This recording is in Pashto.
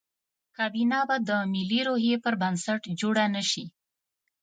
کابینه به د ملي روحیې پر بنسټ جوړه نه شي.